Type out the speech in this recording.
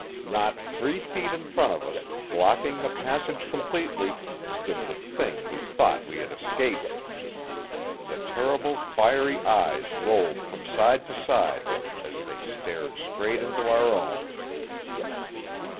Not three feet in front of us, blocking the passage completely, stood the thing we thought we had escaped! The terrible, fiery eyes rolled from side to side as they stared straight into our own.